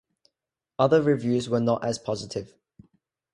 Other reviews were not as positive.